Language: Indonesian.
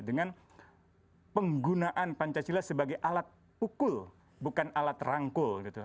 dengan penggunaan pancasila sebagai alat pukul bukan alat rangkul